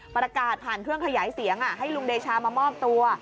ประกาศผ่านเครื่องขยายเสียงให้ลุงเดชามามอบตัว